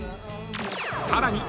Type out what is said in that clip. ［さらに］